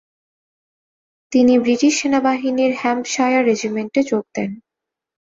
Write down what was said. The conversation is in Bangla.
তিনি ব্রিটিশ সেনাবাহিনীর হ্যাম্পশায়ার রেজিমেন্টে যোগ দেন।